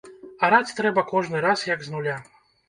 Араць трэба кожны раз як з нуля.